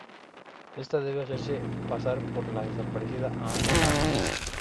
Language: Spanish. Ésta debe hacerse pasar por la desaparecida Amara.